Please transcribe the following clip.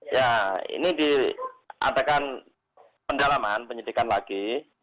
ya ini diadakan pendalaman penyidikan lagi